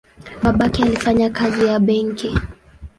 Babake alifanya kazi ya benki.